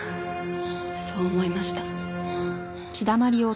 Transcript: そう思いました。